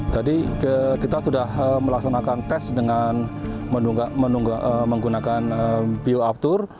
tadi kita sudah melaksanakan tes dengan menggunakan bioaftur